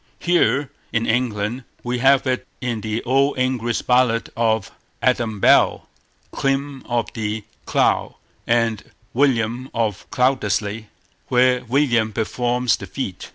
Here in England, we have it in the old English ballad of Adam Bell, Clym of the Clough, and William of Cloudesly, where William performs the feat.